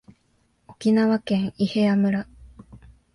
沖縄県伊平屋村